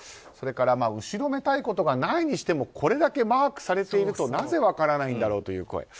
それから後ろめたいことがないにしてもこれだけマークされているとなぜ分からないんだろうという声。